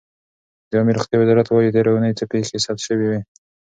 د عامې روغتیا وزارت وایي تېره اوونۍ څه پېښې ثبت شوې دي.